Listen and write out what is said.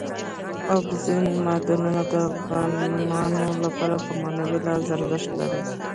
اوبزین معدنونه د افغانانو لپاره په معنوي لحاظ ارزښت لري.